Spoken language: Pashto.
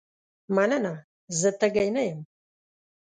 مننه زه تږې نه یم.